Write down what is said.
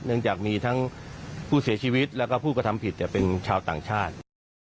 เนื่องจากมีทั้งผู้เสียชีวิตแล้วก็ผู้กระทำผิดเป็นชาวต่างชาติ